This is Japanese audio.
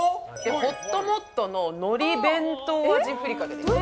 ほっともっとののり弁当味ふりかけです。